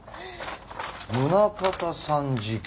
「宗像さん事件」